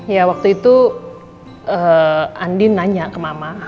ya waktu itu andi nanya ke mama